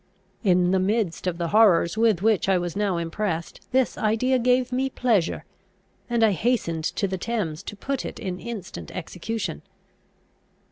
In the midst of the horrors with which I was now impressed, this idea gave me pleasure; and I hastened to the Thames to put it in instant execution.